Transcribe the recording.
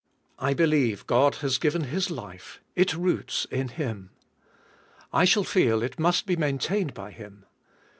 I believe God has given His life, it roots in Him. I shall feel it must be maintained by Him.